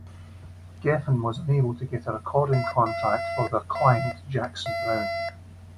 Geffen was unable to get a recording contract for their client Jackson Browne.